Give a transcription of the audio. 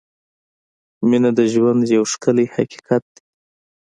• مینه د ژوند یو ښکلی حقیقت دی.